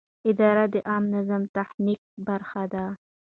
اداره د عامه نظم د ټینګښت برخه ده.